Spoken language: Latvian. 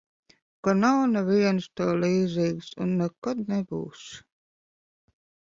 Ka nav nevienas tev līdzīgas un nekad nebūs.